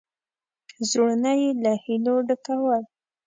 زړونه یې له هیلو ډکول.